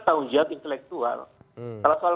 tahun jua intelektual kalau soal